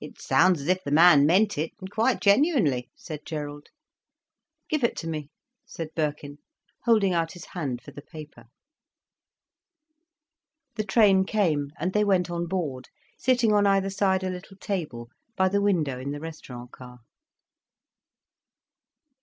"It sounds as if the man meant it, and quite genuinely," said Gerald. "Give it to me," said Birkin, holding out his hand for the paper. The train came, and they went on board, sitting on either side a little table, by the window, in the restaurant car.